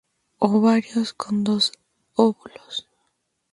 Ovarios con dos óvulos.